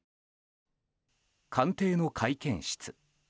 官邸の会見室。